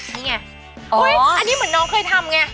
นี่ไงอันนี้เหมือนน้องเคยทำไง